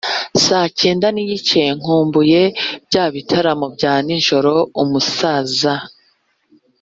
saa kenda n igice Nkumbuye bya bitaramo bya nijoro umusaza